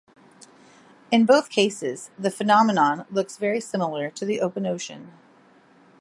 In both cases, the phenomenon looks very similar to the open ocean.